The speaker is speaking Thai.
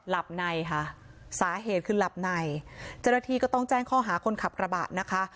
หลับในค่ะสาเหตุคือหลับในเจ้าหน้าที่ก็ต้องแจ้งข้อหาคนขับกระบะนะคะ